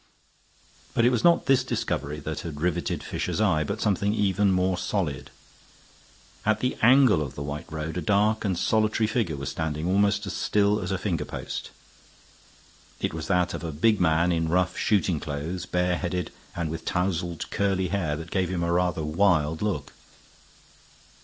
But it was not this discovery that had riveted Fisher's eye, but something even more solid. At the angle of the white road a dark and solitary figure was standing almost as still as a finger post. It was that of a big man in rough shooting clothes, bareheaded, and with tousled curly hair that gave him a rather wild look.